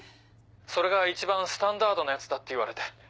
それが一番スタンダードなやつだって言われて。